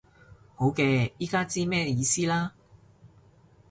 好嘅，依家知咩意思啦